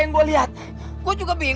itu yang disitu san